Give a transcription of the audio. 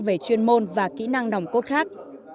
về chuyên môn và kỹ năng đồng cốt khác